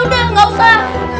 udah gak usah